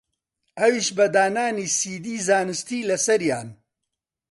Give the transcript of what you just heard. ئەویش بە دانانی سیدی زانستی لەسەریان